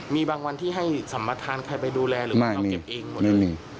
มีบางวันที่ให้สัมวัตถานใครไปดูแลหรือไม่มีเราเก็บเองหมดเลยไม่มี